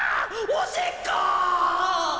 おしっこ！